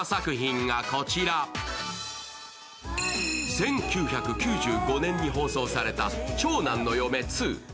１９９５年に放送された「長男の嫁２」。